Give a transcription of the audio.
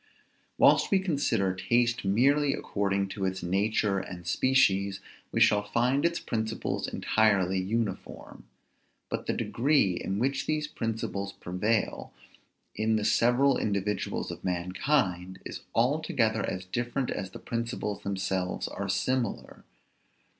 Whilst we consider taste merely according to its nature and species, we shall find its principles entirely uniform; but the degree in which these principles prevail, in the several individuals of mankind, is altogether as different as the principles themselves are similar.